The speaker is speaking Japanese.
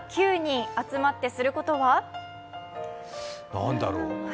何だろう。